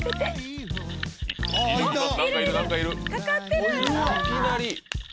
いきなり！